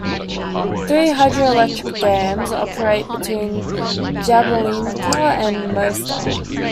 Three hydroelectric dams operate between Jablanica and Mostar.